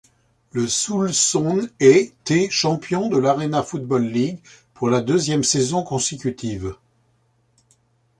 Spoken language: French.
Le Soul sonest t champion de l'Arena Football League pour la deuxième saison consécutive.